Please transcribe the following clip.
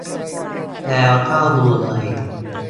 แล้วเข้าดูเลย